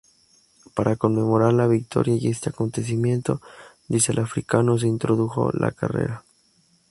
Para conmemorar la victoria y este acontecimiento -dice el Africano- se introdujo la carrera.